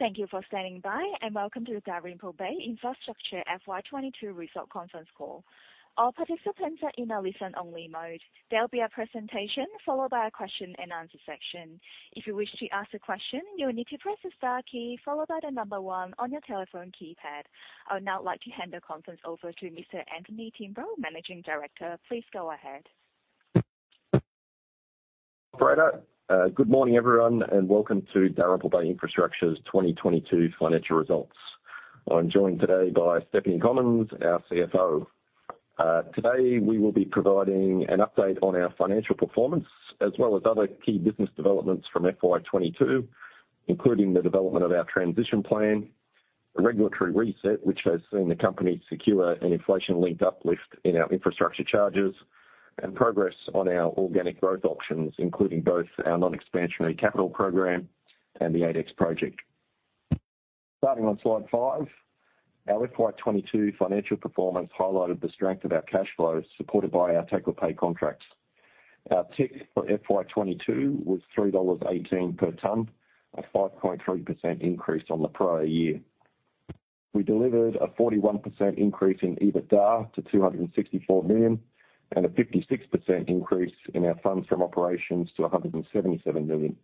Thank you for standing by, and welcome to the Dalrymple Bay Infrastructure FY 2022 result conference call. All participants are in a listen-only mode. There will be a presentation followed by a question and answer section. If you wish to ask a question, you will need to press the star key followed by the number 1 on your telephone keypad. I would now like to hand the conference over to Mr. Anthony Timbrell, Managing Director. Please go ahead. Good morning, everyone, welcome to Dalrymple Bay Infrastructure's 2022 financial results. I'm joined today by Stephanie Commons, our CFO. Today, we will be providing an update on our financial performance, as well as other key business developments from FY 2022, including the development of our transition plan, the regulatory reset, which has seen the company secure an inflation-linked uplift in our infrastructure charges, and progress on our organic growth options, including both our non-expansionary capital program and the ADEX project. Starting on slide 5. Our FY 2022 financial performance highlighted the strength of our cash flows supported by our take-or-pay contracts. Our TIC for FY 2022 was AUD 3.18 per tonne, a 5.3% increase on the prior year. We delivered a 41% increase in EBITDA to 264 million and a 56% increase in our funds from operations to 177 million.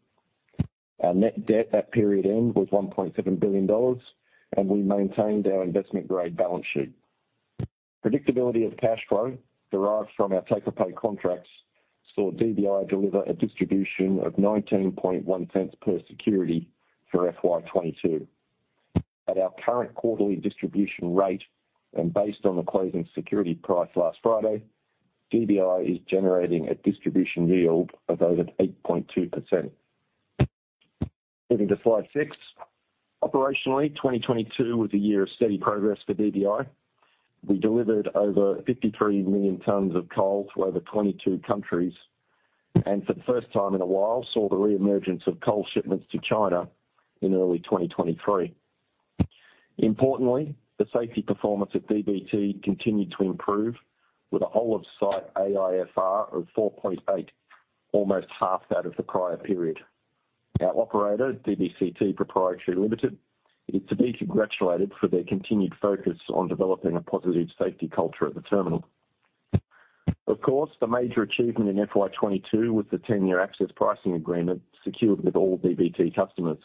Our net debt at period end was 1.7 billion dollars. We maintained our investment-grade balance sheet. Predictability of cash flow derived from our take-or-pay contracts saw DBI deliver a distribution of 0.191 per security for FY 2022. At our current quarterly distribution rate, based on the closing security price last Friday, DBI is generating a distribution yield of over 8.2%. Moving to slide six. Operationally, 2022 was a year of steady progress for DBI. We delivered over 53 million tonnes of coal to over 22 countries. For the first time in a while, saw the re-emergence of coal shipments to China in early 2023. Importantly, the safety performance at DBT continued to improve with a whole of site AIFR of 4.8, almost half that of the prior period. Our operator, Dalrymple Bay Coal Terminal Pty Ltd, is to be congratulated for their continued focus on developing a positive safety culture at the terminal. Of course, the major achievement in FY 2022 was the 10-year access pricing agreement secured with all DBT customers.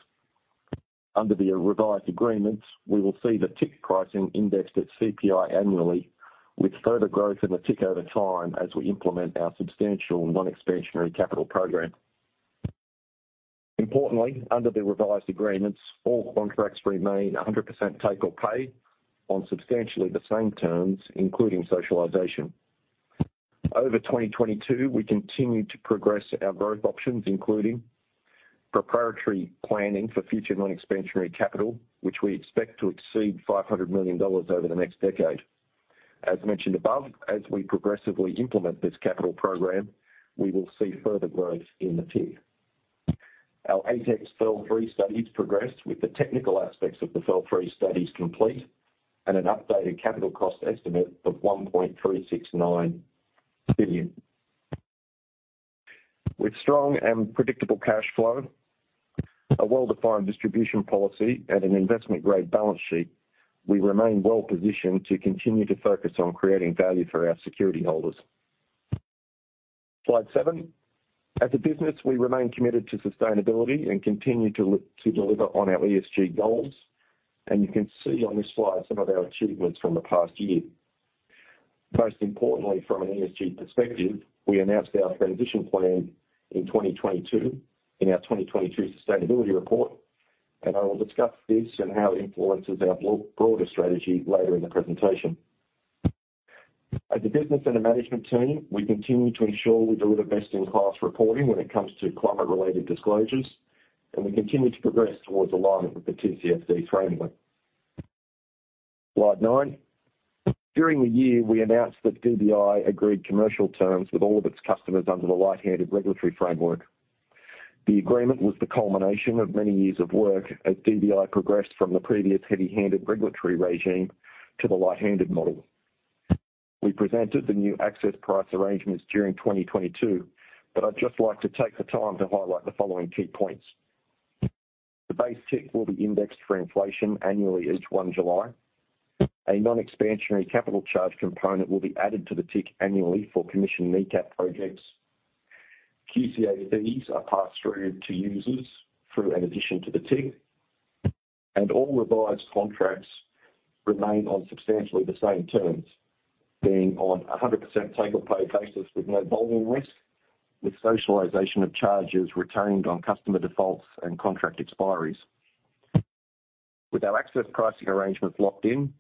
Under the revised agreements, we will see the TIC pricing indexed at CPI annually, with further growth in the TIC over time as we implement our substantial non-expansionary capital program. Importantly, under the revised agreements, all contracts remain 100% take-or-pay on substantially the same terms, including socialization. Over 2022, we continued to progress our growth options, including proprietary planning for future non-expansionary capital, which we expect to exceed 500 million dollars over the next decade. As mentioned above, as we progressively implement this capital program, we will see further growth in the TIC. Our ADEX FEL 3 studies progressed, with the technical aspects of the FEL 3 studies complete and an updated capital cost estimate of 1.369 billion. With strong and predictable cash flow, a well-defined distribution policy, and an investment-grade balance sheet, we remain well-positioned to continue to focus on creating value for our security holders. Slide seven. As a business, we remain committed to sustainability and continue to look to deliver on our ESG goals. You can see on this slide some of our achievements from the past year. Most importantly, from an ESG perspective, we announced our transition plan in 2022 in our 2022 sustainability report. I will discuss this and how it influences our broader strategy later in the presentation. As a business and a management team, we continue to ensure we deliver best-in-class reporting when it comes to climate-related disclosures, we continue to progress towards alignment with the TCFD framework. Slide 9. During the year, we announced that DBI agreed commercial terms with all of its customers under the light-handed regulatory framework. The agreement was the culmination of many years of work as DBI progressed from the previous heavy-handed regulatory regime to the light-handed model. We presented the new access price arrangements during 2022, I'd just like to take the time to highlight the following key points. The base TIC will be indexed for inflation annually each 1 July. A non-expansionary capital charge component will be added to the TIC annually for commissioned NECAP projects. QCA fees are passed through to users through an addition to the TIC. All revised contracts remain on substantially the same terms, being on a 100% take-or-pay basis with no volume risk, with socialization of charges retained on customer defaults and contract expiries. With our access pricing arrangements locked in,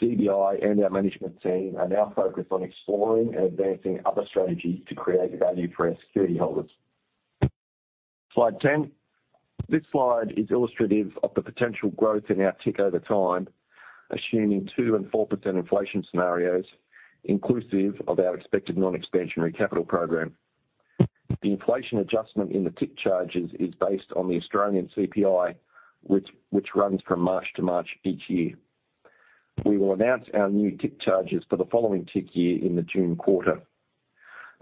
DBI and our management team are now focused on exploring and advancing other strategies to create value for our security holders. Slide 10. This slide is illustrative of the potential growth in our TIC over time, assuming 2% and 4% inflation scenarios, inclusive of our expected non-expansionary capital program. The inflation adjustment in the TIC charges is based on the Australian CPI, which runs from March to March each year. We will announce our new TIC charges for the following TIC year in the June quarter.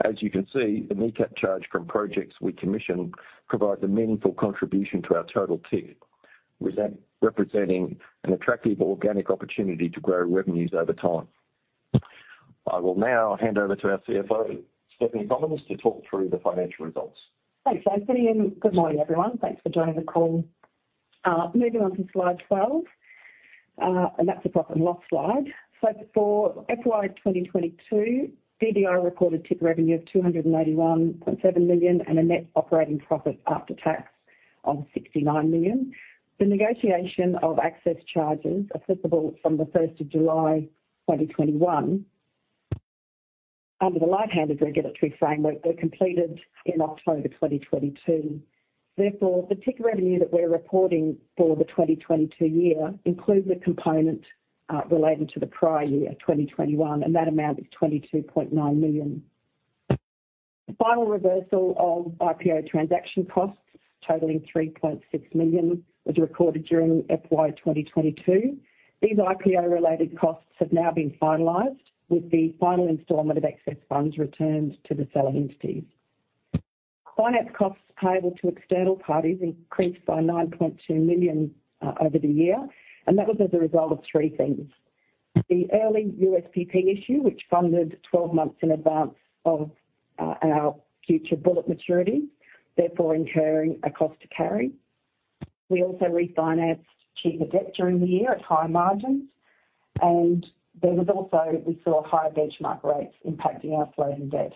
As you can see, the NECAP charge from projects we commission provides a meaningful contribution to our total TIC, with that representing an attractive organic opportunity to grow revenues over time. I will now hand over to our CFO, Stephanie Commons, to talk through the financial results. Thanks, Anthony, and good morning, everyone. Thanks for joining the call. Moving on to slide 12, that's the profit and loss slide. For FY 2022, DBI recorded TIC revenue of 281.7 million and a net operating profit after tax of 69 million. The negotiation of access charges applicable from July 1, 2021, under the light-handed regulatory framework were completed in October 2022. The TIC revenue that we're reporting for the 2022 year includes a component relating to the prior year, 2021, and that amount is 22.9 million. The final reversal of IPO transaction costs, totaling 3.6 million, was recorded during FY 2022. These IPO related costs have now been finalized, with the final installment of excess funds returned to the seller entities. Finance costs payable to external parties increased by 9.2 million over the year. That was as a result of three things. The early USPP issue, which funded 12 months in advance of our future bullet maturity, therefore incurring a cost to carry. We also refinanced cheaper debt during the year at higher margins. There was also, we saw higher benchmark rates impacting our floating debt.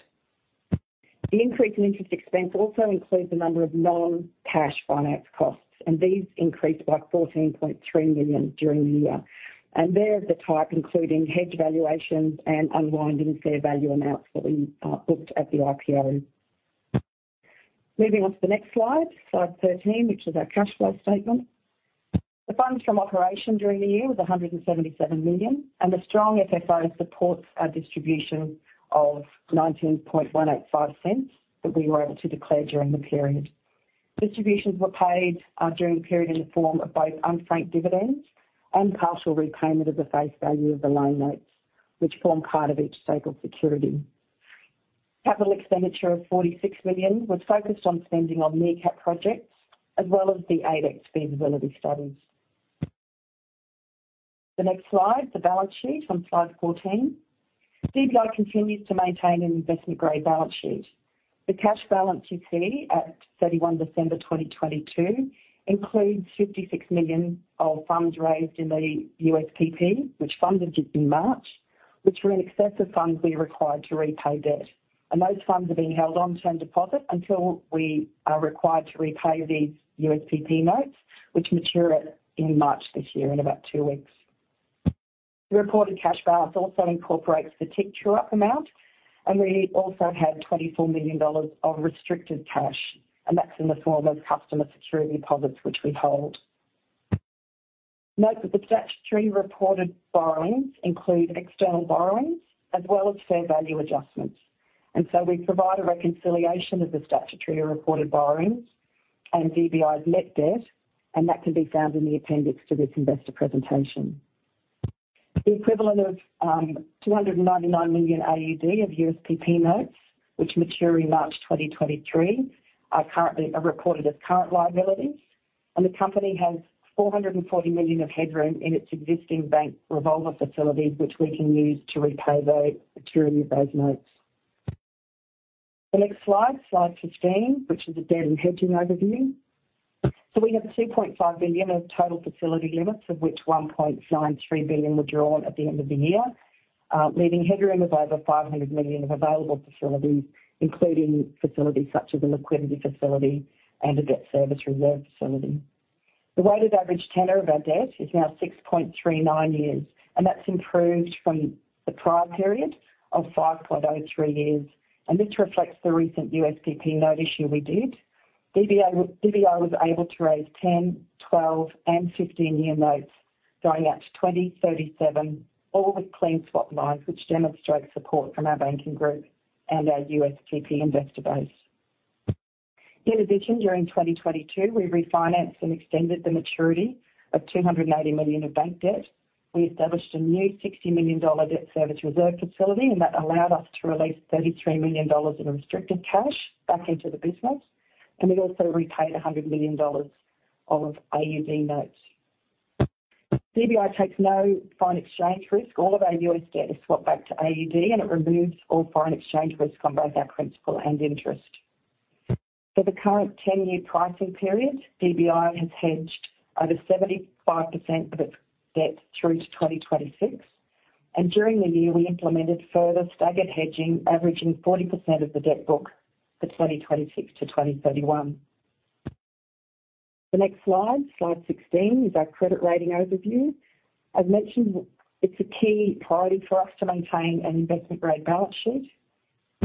The increase in interest expense also includes a number of non-cash finance costs. These increased by 14.3 million during the year. They're the type including hedge valuations and unwinding fair value amounts that we booked at the IPO. Moving on to the next slide 13, which is our cash flow statement. The funds from operations during the year was 177 million, and the strong FFO supports our distribution of 0.19185 that we were able to declare during the period. Distributions were paid during the period in the form of both unfranked dividends and partial repayment of the face value of the loan notes, which form part of each stapled security. Capital expenditure of AUD 46 million was focused on spending on NECAP projects as well as the ADEX feasibility studies. The next slide, the balance sheet on slide 14. DBI continues to maintain an investment-grade balance sheet. The cash balance you see at December 31, 2022 includes 56 million of funds raised in the USPP, which funded it in March, which were in excess of funds we required to repay debt. Those funds are being held on term deposit until we are required to repay the USPP notes, which mature in March this year, in about two weeks. The reported cash balance also incorporates the TIC true-up amount, and we also have $24 million of restricted cash, and that's in the form of customer security deposits, which we hold. Note that the statutory reported borrowings include external borrowings as well as fair value adjustments. We provide a reconciliation of the statutory reported borrowings and DBI's net debt, and that can be found in the appendix to this investor presentation. The equivalent of 299 million AUD of USPP notes, which mature in March 2023, are reported as current liabilities, and the company has 440 million of headroom in its existing bank revolver facilities, which we can use to repay the maturity of those notes. The next slide 15, which is a debt and hedging overview. We have 2.5 billion of total facility limits, of which 1.93 billion were drawn at the end of the year, leaving headroom of over 500 million of available facilities, including facilities such as a liquidity facility and a debt service reserve facility. The weighted average tenor of our debt is now 6.39 years, and that's improved from the prior period of 5.03 years. This reflects the recent USPP note issue we did. DBI was able to raise 10, 12, and 15-year notes going out to 2037, all with clean spot lines, which demonstrate support from our banking group and our USPP investor base. In addition, during 2022, we refinanced and extended the maturity of 280 million of bank debt. We established a new 60 million dollar debt service reserve facility, and that allowed us to release 33 million dollars in restricted cash back into the business, and we also repaid 100 million dollars of AUD notes. DBI takes no foreign exchange risk. All of our U.S. debt is swapped back to AUD, and it removes all foreign exchange risk on both our principal and interest. For the current 10-year pricing period, DBI has hedged over 75% of its debt through to 2026. During the year, we implemented further staggered hedging, averaging 40% of the debt book for 2026 to 2031. The next slide 16, is our credit rating overview. I've mentioned it's a key priority for us to maintain an investment-grade balance sheet.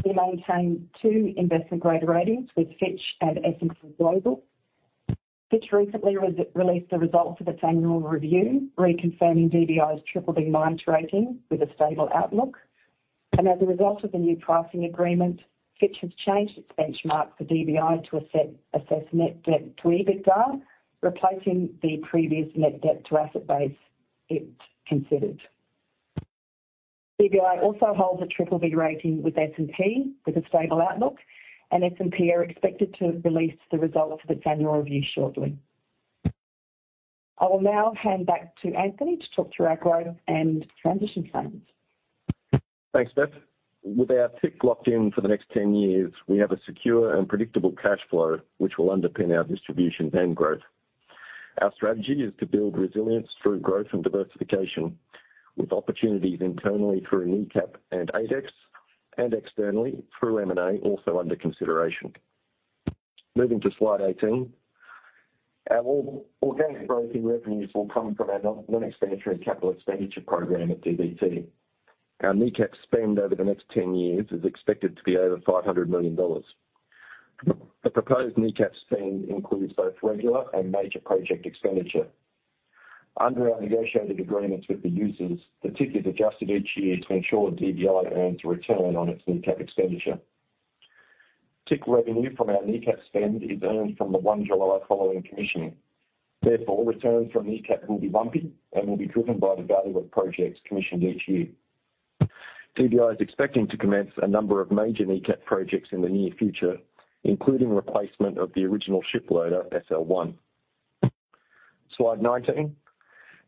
We maintain two investment-grade ratings with Fitch and S&P Global. Fitch recently released the results of its annual review, reconfirming DBI's BBB- rating with a stable outlook. As a result of the new pricing agreement, Fitch has changed its benchmark for DBI to assess Net Debt to EBITDA, replacing the previous net debt to asset base it considered. DBI also holds a BBB rating with S&P with a stable outlook. S&P are expected to release the results of its annual review shortly. I will now hand back to Anthony to talk through our growth and transition plans. Thanks, Steph. With our TIC locked in for the next 10 years, we have a secure and predictable cash flow, which will underpin our distribution and growth. Our strategy is to build resilience through growth and diversification, with opportunities internally through NECAP and ADEX, externally through M&A also under consideration. Moving to slide 18. Our organic growth in revenues will come from our non-expansion capital expenditure program at DBT. Our NECAP spend over the next 10 years is expected to be over 500 million dollars. The proposed NECAP spend includes both regular and major project expenditure. Under our negotiated agreements with the users, the TIC is adjusted each year to ensure DBI earns a return on its NECAP expenditure. TIC revenue from our NECAP spend is earned from the July 1 following commissioning. Returns from NECAP will be lumpy and will be driven by the value of projects commissioned each year. DBI is expecting to commence a number of major NECAP projects in the near future, including replacement of the original ship loader, SL1. Slide 19.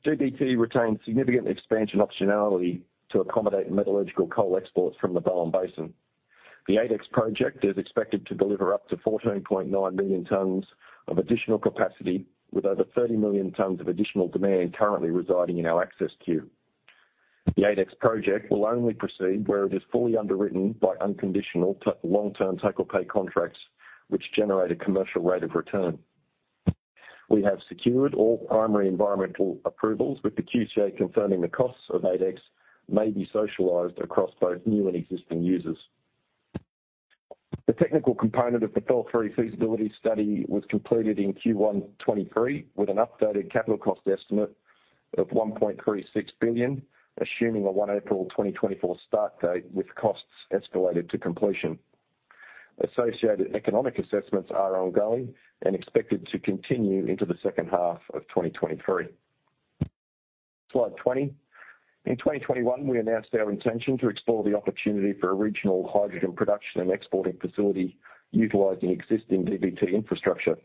DBT retains significant expansion optionality to accommodate metallurgical coal exports from the Bowen Basin. The ADEX project is expected to deliver up to 14.9 million tons of additional capacity with over 30 million tons of additional demand currently residing in our access queue. The ADEX project will only proceed where it is fully underwritten by unconditional long-term take-or-pay contracts, which generate a commercial rate of return. We have secured all primary environmental approvals, with the QCA confirming the costs of ADEX may be socialized across both new and existing users. The technical component of the FEL3 Feasibility Study was completed in Q1 2023, with an updated capital cost estimate of 1.36 billion, assuming an April 1, 2024 start date, with costs escalated to completion. Associated economic assessments are ongoing and expected to continue into the second half of 2023. Slide 20. In 2021, we announced our intention to explore the opportunity for a regional hydrogen production and exporting facility utilizing existing DBT infrastructure.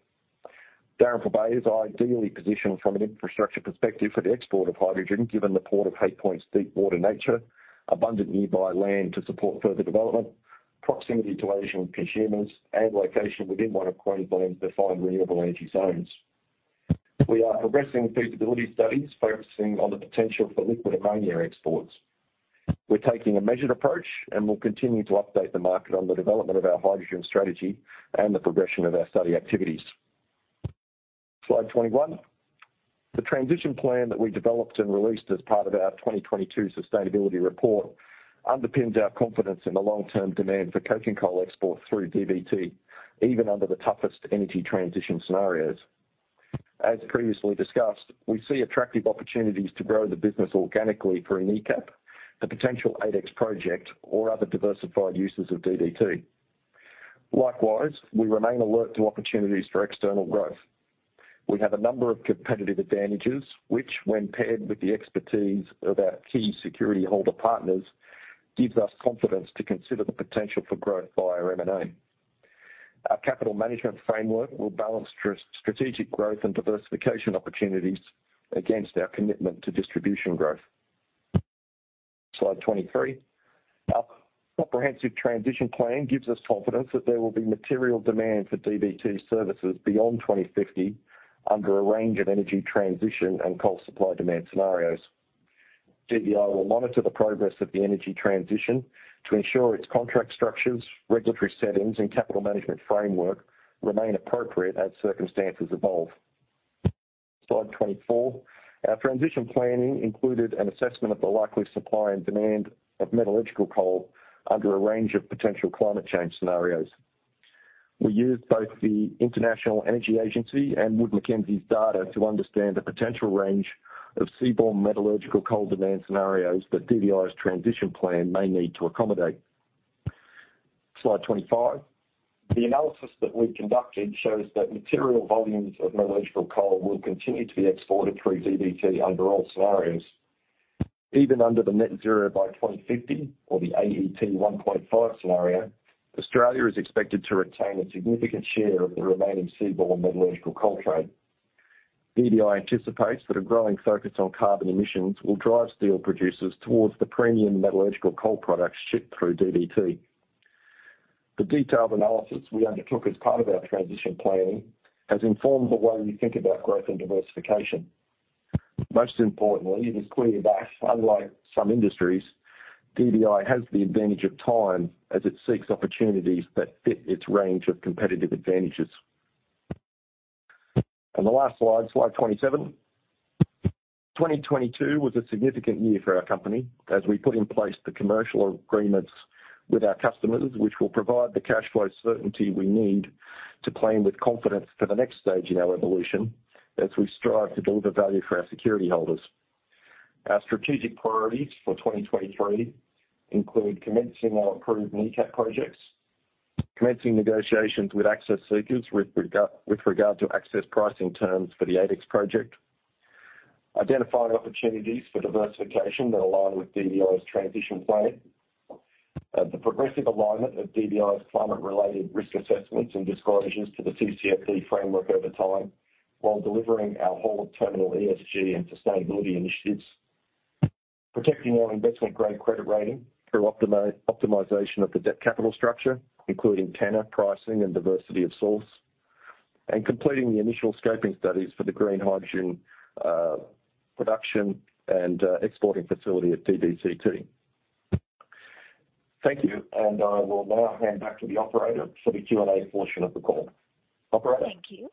Dalrymple Bay is ideally positioned from an infrastructure perspective for the export of hydrogen, given the Port of Hay Point's deep water nature, abundant nearby land to support further development, proximity to Asian consumers, and location within one of Queensland's defined renewable energy zones. We are progressing feasibility studies focusing on the potential for liquid ammonia exports. We're taking a measured approach and will continue to update the market on the development of our hydrogen strategy and the progression of our study activities. Slide 21. The transition plan that we developed and released as part of our 2022 Sustainability Report underpins our confidence in the long-term demand for coking coal export through DBT, even under the toughest energy transition scenarios. As previously discussed, we see attractive opportunities to grow the business organically through NECAP, the potential ADEX project, or other diversified uses of DBT. Likewise, we remain alert to opportunities for external growth. We have a number of competitive advantages, which when paired with the expertise of our key security holder partners, gives us confidence to consider the potential for growth via M&A. Our capital management framework will balance strategic growth and diversification opportunities against our commitment to distribution growth. Slide 23. Our comprehensive transition plan gives us confidence that there will be material demand for DBT services beyond 2050 under a range of energy transition and coal supply demand scenarios. DBI will monitor the progress of the energy transition to ensure its contract structures, regulatory settings, and capital management framework remain appropriate as circumstances evolve. Slide 24. Our transition planning included an assessment of the likely supply and demand of metallurgical coal under a range of potential climate change scenarios. We used both the International Energy Agency and Wood Mackenzie's data to understand the potential range of seaborne metallurgical coal demand scenarios that DBI's transition plan may need to accommodate. Slide 25. The analysis that we've conducted shows that material volumes of metallurgical coal will continue to be exported through DBT under all scenarios. Even under the Net Zero by 2050 or the IEA 1.5 scenario, Australia is expected to retain a significant share of the remaining seaborne metallurgical coal trade. DBI anticipates that a growing focus on carbon emissions will drive steel producers towards the premium metallurgical coal products shipped through DBT. The detailed analysis we undertook as part of our transition planning has informed the way we think about growth and diversification. Most importantly, it is clear that unlike some industries, DBI has the advantage of time as it seeks opportunities that fit its range of competitive advantages. The last slide 27. 2022 was a significant year for our company as we put in place the commercial agreements with our customers, which will provide the cash flow certainty we need to plan with confidence for the next stage in our evolution as we strive to deliver value for our security holders. Our strategic priorities for 2023 include commencing our approved NECAP projects, commencing negotiations with access seekers with regard to access pricing terms for the ADEX project. Identifying opportunities for diversification that align with DBI's transition plan. The progressive alignment of DBI's climate-related risk assessments and disclosures to the TCFD framework over time, while delivering our whole terminal ESG and sustainability initiatives. Protecting our investment-grade credit rating through optimization of the debt capital structure, including tenor pricing and diversity of source, and completing the initial scoping studies for the green hydrogen production and exporting facility at DBCT. Thank you. I will now hand back to the operator for the Q&A portion of the call. Operator? Thank you.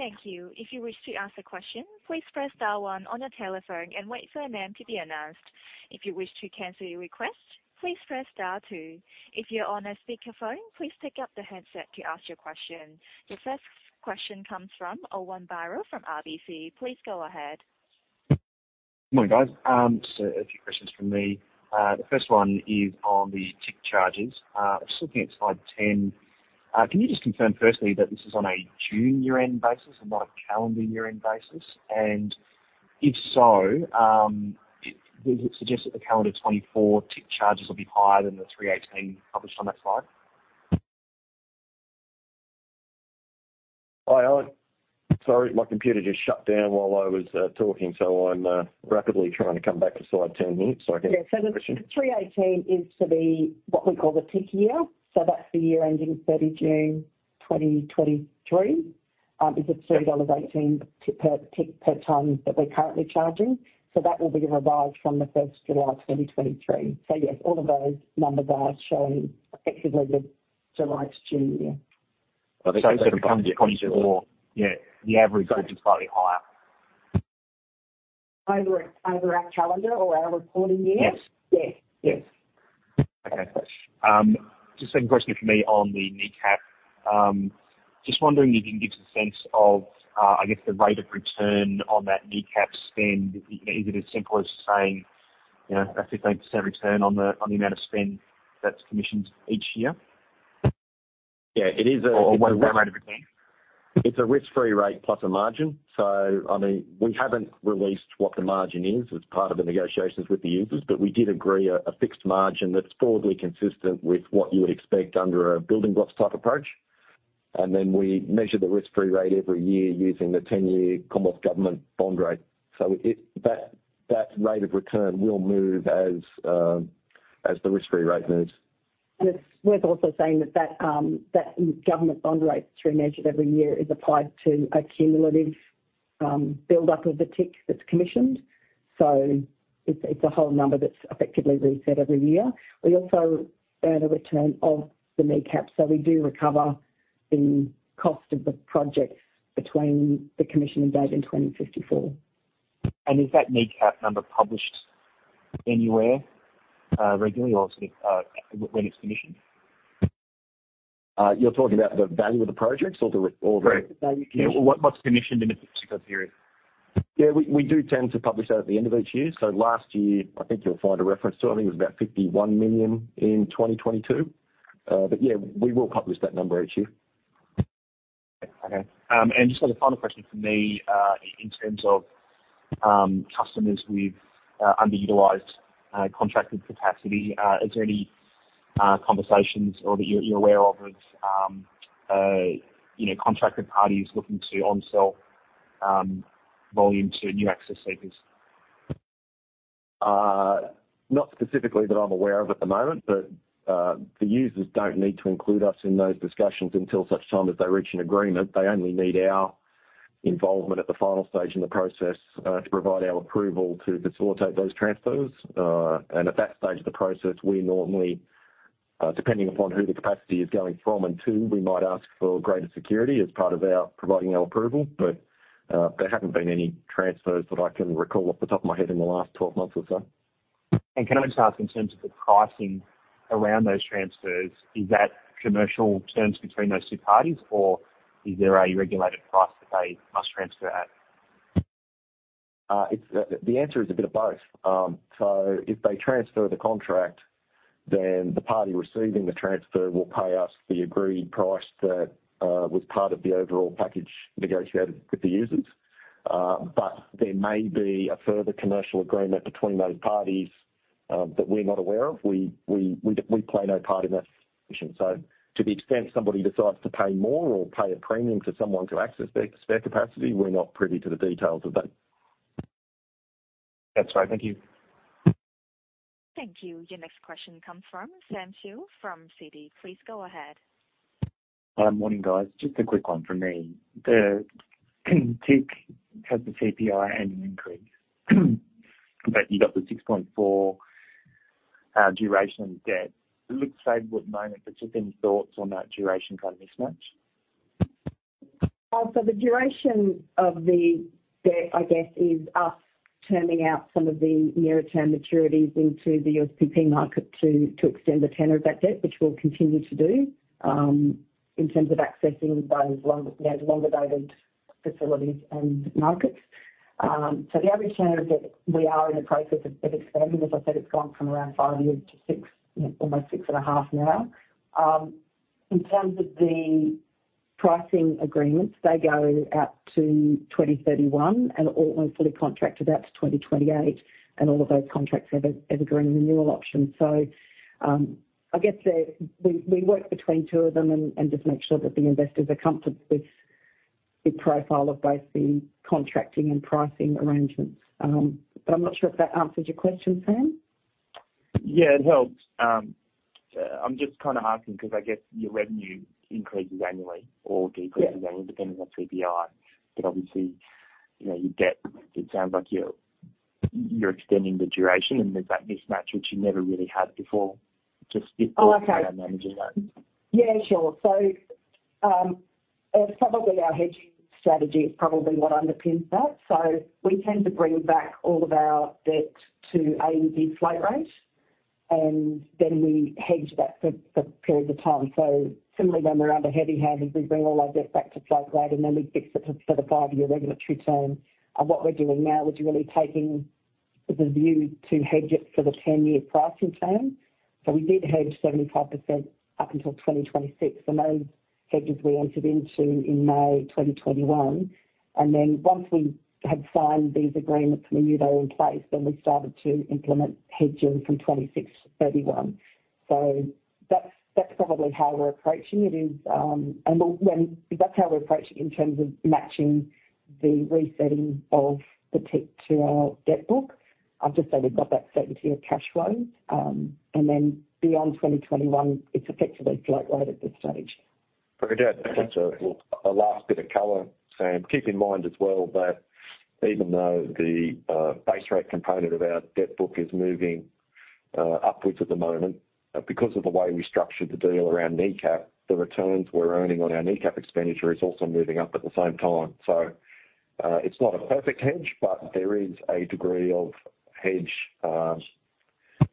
Thank you. If you wish to ask a question, please press star one on your telephone and wait for your name to be announced. If you wish to cancel your request, please press star two. If you're on a speakerphone, please pick up the headset to ask your question. The first question comes from Owen Birrell from RBC. Please go ahead. Morning, guys. A few questions from me. The first one is on the TIC charges. I was looking at slide 10. Can you just confirm firstly that this is on a June year-end basis and not a calendar year-end basis? If so, would it suggest that the calendar 2024 TIC charges will be higher than the 3.18 published on that slide? Hi, Owen. Sorry, my computer just shut down while I was talking, so I'm rapidly trying to come back to slide 10 here so I can answer your question. The 3.18 is for the what we call the TIC year. That's the year ending June 30, 2023, is at 3.18 dollars per TIC per ton that we're currently charging. That will be revised from July 1, 2023. Yes, all of those numbers are showing effectively the July to June year. It becomes even more. Yeah, the average will be slightly higher. Over our calendar or our reporting year? Yes. Yes. Yes. Okay. Just second question from me on the NECAP. Just wondering if you can give us a sense of the rate of return on that NECAP spend. Is it as simple as saying, a 15% return on the amount of spend that's commissioned each year? Yeah. It is. What is that rate of return? It's a risk-free rate plus a margin. I mean, we haven't released what the margin is. It's part of the negotiations with the users, but we did agree a fixed margin that's broadly consistent with what you would expect under a building blocks type approach. We measure the risk-free rate every year using the 10-year Commonwealth Government bond rate. That rate of return will move as the risk-free rate moves. It's worth also saying that government bond rate that's remeasured every year is applied to a cumulative buildup of the TIC that's commissioned. It's a whole number that's effectively reset every year. We also earn a return of the NECAP, so we do recover the cost of the projects between the commissioning date and 2054. Is that NECAP number published anywhere, regularly or, sort of, when it's commissioned? You're talking about the value of the projects or the? Right. The value commissioned. What's commissioned in a particular period? Yeah. We do tend to publish that at the end of each year. Last year, I think you'll find a reference to it. I think it was about 51 million in 2022. Yeah, we will publish that number each year. Okay. Just got a final question from me, in terms of customers with underutilized contracted capacity. Is there any conversations or that you're aware of, you know, contracted parties looking to onsell volume to new access seekers? Not specifically that I'm aware of at the moment, the users don't need to include us in those discussions until such time as they reach an agreement. They only need our involvement at the final stage in the process to provide our approval to facilitate those transfers. At that stage of the process, we normally, depending upon who the capacity is going from and to, we might ask for greater security as part of our providing our approval. There haven't been any transfers that I can recall off the top of my head in the last 12 months or so. Can I just ask in terms of the pricing around those transfers, is that commercial terms between those two parties, or is there a regulated price that they must transfer at? It's the answer is a bit of both. If they transfer the contract, then the party receiving the transfer will pay us the agreed price that was part of the overall package negotiated with the users. There may be a further commercial agreement between those parties, that we're not aware of. We play no part in that negotiation. To the extent somebody decides to pay more or pay a premium for someone to access their capacity, we're not privy to the details of that. That's fine. Thank you. Thank you. Your next question comes from Sam Seow from Citi. Please go ahead. Morning, guys. Just a quick one from me. The TIC has the CPI annual increase. You got the 6.4 duration debt. It looks favorable at the moment. Just any thoughts on that duration kind of mismatch? The duration of the debt, I guess, is us turning out some of the nearer term maturities into the USPP market to extend the tenure of that debt, which we'll continue to do in terms of accessing those longer-dated facilities and markets. The average tenure that we are in the process of expanding, as I said, it's gone from around five years to six, you know, almost six and a half now. In terms of the pricing agreements, they go out to 2031. We're fully contracted out to 2028, and all of those contracts have a growing renewal option. I guess there we work between two of them and just make sure that the investors are comfortable with the profile of both the contracting and pricing arrangements. I'm not sure if that answers your question, Sam. Yeah, it helps. I'm just kind of asking because I guess your revenue increases annually or decreases annually depending on CPI. Obviously, you know, your debt, it sounds like you're extending the duration and there's that mismatch which you never really had before. Oh, okay. How you're managing that. Yeah, sure. Probably our hedging strategy is probably what underpins that. We tend to bring back all of our debt to AUD floating rate, and then we hedge that for periods of time. Similarly, when we're under heavy hedges, we bring all our debt back to float rate, and then we fix it for the five-year regulatory term. What we're doing now is really taking the view to hedge it for the ten-year pricing term. We did hedge 75% up until 2026, and those hedges we entered into in May 2021. Once we had signed these agreements and we knew they were in place, then we started to implement hedging from 2026 to 2031. That's probably how we're approaching it is. Because that's how we approach it in terms of matching the resetting of the TIC to our debt book. I'll just say we've got that certainty of cash flow. Then beyond 2021, it's effectively float rate at this stage. Yeah, just a last bit of color, Sam. Keep in mind as well that even though the base rate component of our debt book is moving upwards at the moment because of the way we structured the deal around NECAP, the returns we're earning on our NECAP expenditure is also moving up at the same time. It's not a perfect hedge, but there is a degree of hedge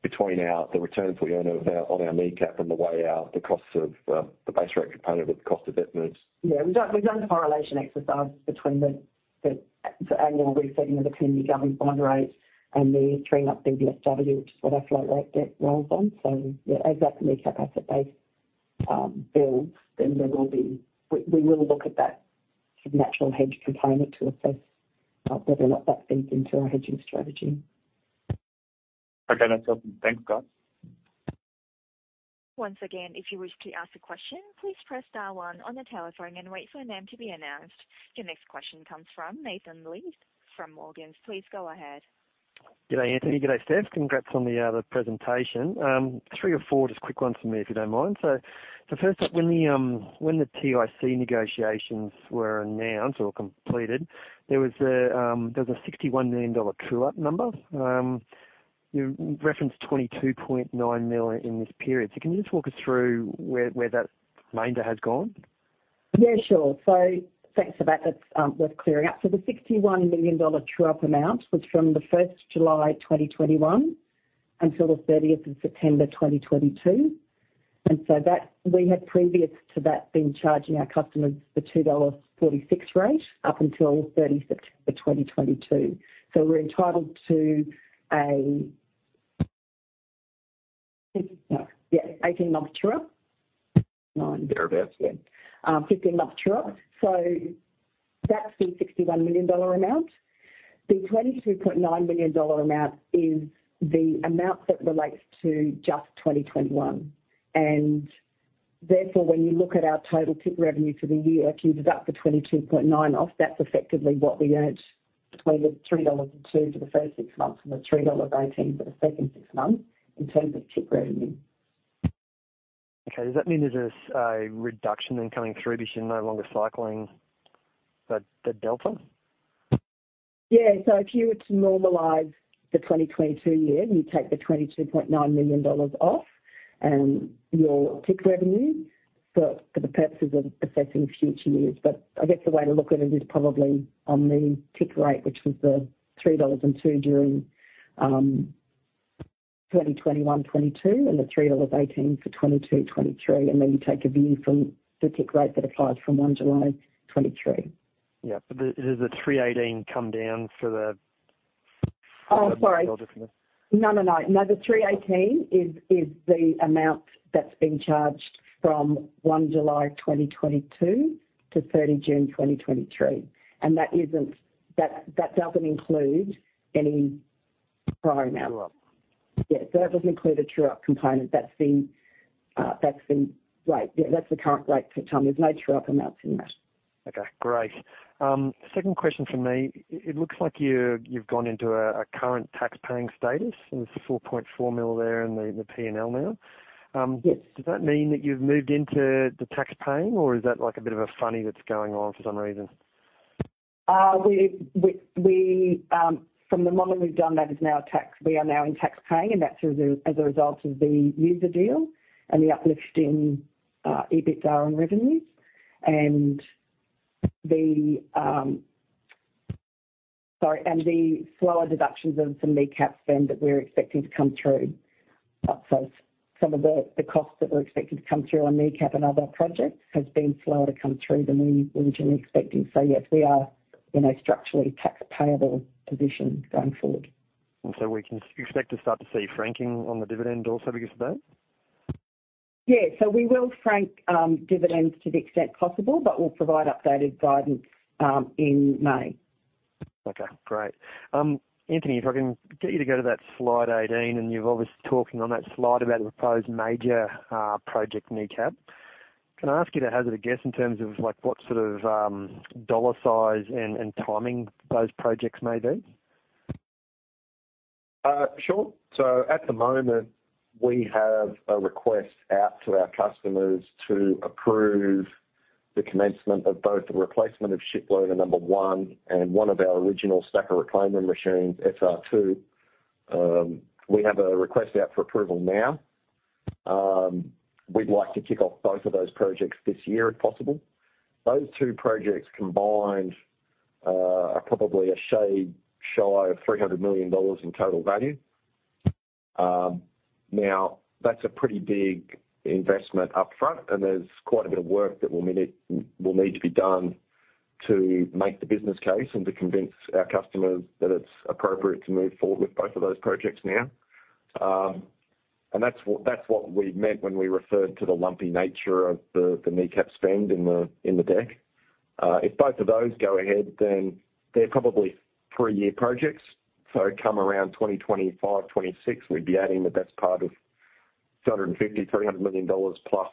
between our, the returns we earn of our, on our NECAP and the way our, the costs of the base rate component of the cost of debt moves. Yeah. We've done the correlation exercise between the annual resetting of the 10-year government bond rate and the 3-month BBSW, which is what our float rate debt rolls on. Yeah, as that NECAP asset base builds, then there will be... We will look at that natural hedge component to assess whether or not that feeds into our hedging strategy. Okay, that's helpful. Thanks, guys. Once again, if you wish to ask a question, please press star one on the telephone and wait for your name to be announced. Your next question comes from Nathan Lee from Morgan. Please go ahead. G'day, Anthony. G'day, Steph. Congrats on the presentation. Three or four just quick ones from me, if you don't mind. First up, when the TIC negotiations were announced or completed, there was a 61 million dollar true-up number. You referenced 22.9 million in this period. Can you just walk us through where that remainder has gone? Sure. Thanks for that. That's worth clearing up. The 61 million dollar true-up amount was from July 1, 2021, until September 30, 2022. We had previous to that, been charging our customers the 2.46 dollars rate up until September 30, 2022. We're entitled to a 15-month true-up. That's the 61 million dollar amount. The 22.9 million dollar amount is the amount that relates to just 2021. Therefore, when you look at our total TIC revenue for the year, if you deduct the 22.9 off, that's effectively what we earned between the 3.02 dollars for the first six months and the 3.18 dollars for the second six months in terms of TIC revenue. Okay. Does that mean there's a reduction then coming through because you're no longer cycling the delta? If you were to normalize the 2022 year, and you take the 22.9 million dollars off your TIC revenue for the purposes of assessing future years. I guess the way to look at it is probably on the TIC rate, which was the 3.02 dollars during 2021/2022, and the AUD 3.18 for 2022/2023, you take a view from the TIC rate that applies from 1 July 2023. Yeah. does the AUD 318 come down for the? Oh, sorry. From the moment we've done that is now tax. We are now in tax paying, and that's as a result of the user deal and the uplift in EBITDA and revenues. Sorry. The slower deductions of some NECAP spend that we're expecting to come through. Some of the costs that we're expecting to come through on NECAP and other projects has been slower to come through than we were generally expecting. Yes, we are in a structurally tax payable position going forward. We can expect to start to see franking on the dividend also because of that? Yeah. We will frank dividends to the extent possible, but we'll provide updated guidance in May. Okay, great. Anthony, if I can get you to go to that slide 18. You're obviously talking on that slide about a proposed major project NECAP. Can I ask you to hazard a guess in terms of, like, what sort of dollar size and timing those projects may be? Sure. At the moment, we have a request out to our customers to approve the commencement of both the replacement of ship loader number one and one of our original stack reclaimer machines, SR2. We have a request out for approval now. We'd like to kick off both of those projects this year, if possible. Those two projects combined are probably a shade shy of 300 million dollars in total value. Now that's a pretty big investment up front, and there's quite a bit of work that will need to be done to make the business case and to convince our customers that it's appropriate to move forward with both of those projects now. And that's what we meant when we referred to the lumpy nature of the NECAP spend in the deck. If both of those go ahead, then they're probably three-year projects. Come around 2025, 2026, we'd be adding the best part of 250 million-300 million dollars plus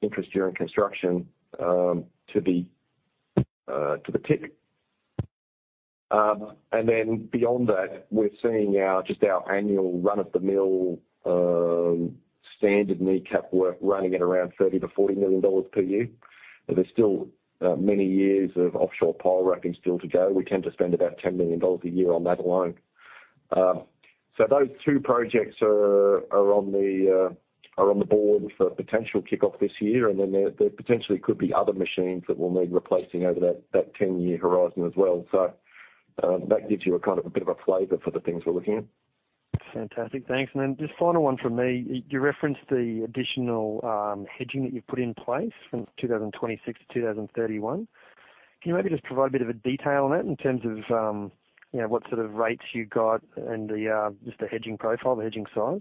Interest During Construction (IDC) to the TIC. Beyond that, we're seeing our, just our annual run-of-the-mill, standard NECAP work running at around 30 million-40 million dollars per year. There's still many years of offshore pile wrapping still to go. We tend to spend about 10 million dollars a year on that alone. Those two projects are on the board for potential kickoff this year. There potentially could be other machines that will need replacing over that 10-year horizon as well. That gives you a kind of a bit of a flavor for the things we're looking at. Fantastic. Thanks. Just final one from me. You referenced the additional hedging that you've put in place from 2026 to 2031. Can you maybe just provide a bit of a detail on that in terms of, you know, what sort of rates you got and just the hedging profile, the hedging size?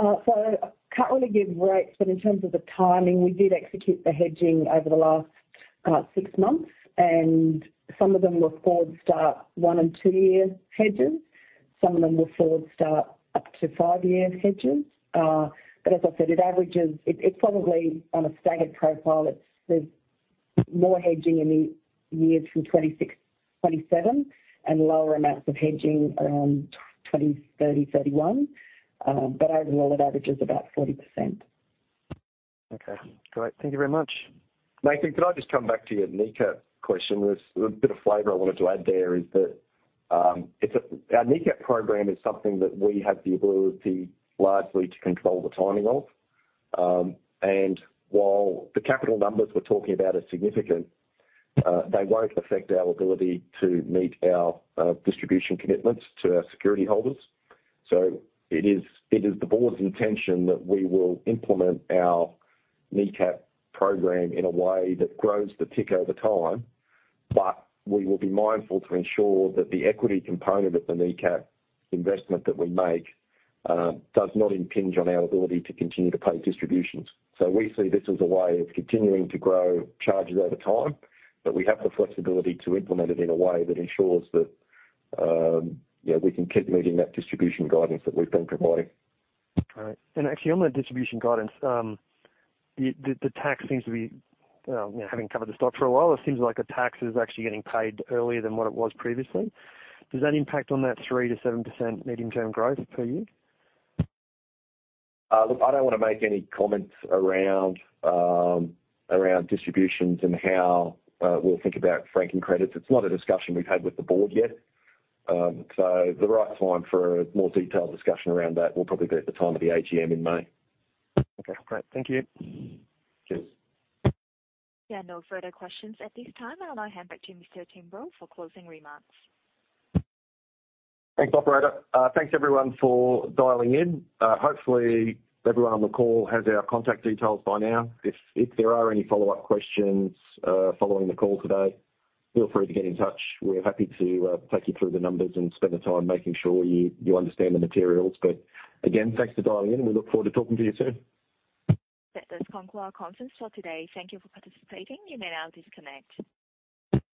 Can't really give rates, but in terms of the timing, we did execute the hedging over the last six months, and some of them were forward start one and two-year hedges. Some of them were forward start up to five-year hedges. As I said, it averages, it's probably on a staggered profile. It's, there's more hedging in the years from 2026, 2027 and lower amounts of hedging around 2030, 2031. Overall it averages about 40%. Okay, great. Thank you very much. Nathan, could I just come back to your NECAP question? There's a bit of flavor I wanted to add there is that our NECAP program is something that we have the ability largely to control the timing of. While the capital numbers we're talking about are significant, they won't affect our ability to meet our distribution commitments to our security holders. It is the board's intention that we will implement our NECAP program in a way that grows the TIC over time. We will be mindful to ensure that the equity component of the NECAP investment that we make does not impinge on our ability to continue to pay distributions. We see this as a way of continuing to grow charges over time, but we have the flexibility to implement it in a way that ensures that, you know, we can keep meeting that distribution guidance that we've been providing. All right. Actually on the distribution guidance, the tax seems to be, you know, having covered the stock for a while, it seems like a tax is actually getting paid earlier than what it was previously. Does that impact on that 3%-7% medium-term growth per year? Look, I don't wanna make any comments around around distributions and how we'll think about franking credits. It's not a discussion we've had with the board yet. The right time for a more detailed discussion around that will probably be at the time of the AGM in May. Okay, great. Thank you. Cheers. There are no further questions at this time. I'll now hand back to Mr. Timbrell for closing remarks. Thanks, operator. Thanks everyone for dialing in. Hopefully everyone on the call has our contact details by now. If there are any follow-up questions, following the call today, feel free to get in touch. We're happy to take you through the numbers and spend the time making sure you understand the materials. Again, thanks for dialing in, and we look forward to talking to you soon. That does conclude our conference call today. Thank you for participating. You may now disconnect.